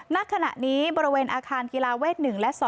ณขณะนี้บริเวณอาคารกีฬาเวท๑และ๒